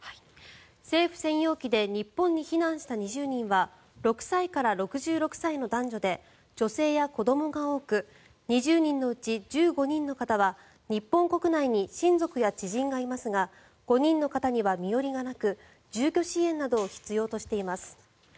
政府専用機で日本に避難した２０人は６歳から６６歳の男女で女性や子どもが多く２０人のうち１５人の方は日本国内に親族や知人がいますが５人の方には身寄りがなく住居支援などを必要としています。